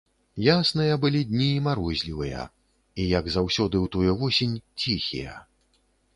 Ясныя былі дні, і марозлівыя, і, як заўсёды ў тую восень, ціхія.